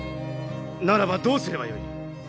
ならばどうすればよい？